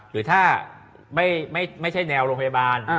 หรือถ้าไม่ใช่แนวโรงพยาบาล